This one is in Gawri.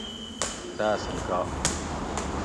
تاۤس گھی گا